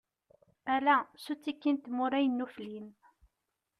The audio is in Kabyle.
Aya, s uttiki n tmura yennuflin.